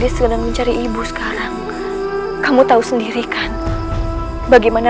sebelum saya ikut saya sukar menemukan kamu